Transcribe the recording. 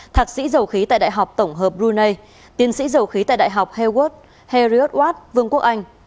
thạc sĩ dầu khí tại đại học tổng hợp brunei tiến sĩ dầu khí tại đại học hegod heriot watt vương quốc anh